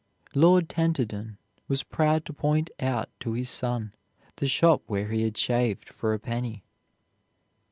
Lord Tenterden was proud to point out to his son the shop where he had shaved for a penny.